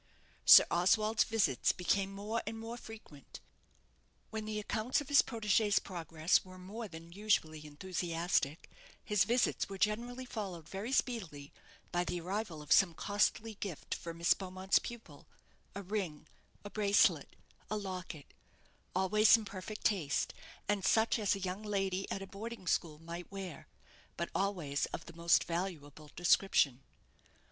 Sir Oswald's visits became more and more frequent. When the accounts of his protégée's progress were more than usually enthusiastic, his visits were generally followed very speedily by the arrival of some costly gift for Miss Beaumont's pupil a ring a bracelet a locket always in perfect taste, and such as a young lady at a boarding school might wear, but always of the most valuable description.